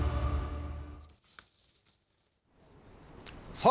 さあ、